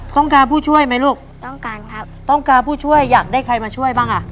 ต้องการผู้ช่วยไหมลูกต้องการครับต้องการผู้ช่วยอยากได้ใครมาช่วยบ้างอ่ะ